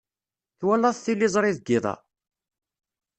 Twalaḍ tiliẓri deg yiḍ-a?